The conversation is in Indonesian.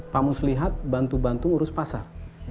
pak muslihat bantu bantu urus pasar